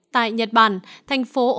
tại nhật bản thành phố osaka